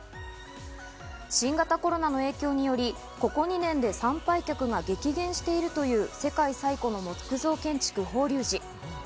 新型コロナの影響により、ここ２年で参拝客が激減しているという世界最古の木造建築・法隆寺。